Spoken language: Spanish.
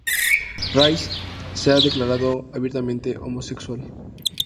Rice se ha declarado abiertamente homosexual.